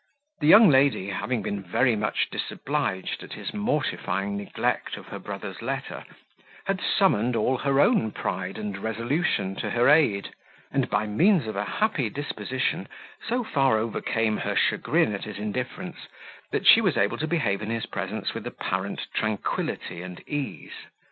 The young lady, having been very much disobliged at his mortifying neglect of her brother's letter, had summoned all her own pride and resolution to her aid; and, by means of a happy disposition, so far overcame her chagrin at his indifference, that she was able to behave in his presence with apparent tranquility and ease.